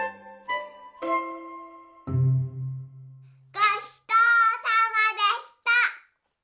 ごちそうさまでした！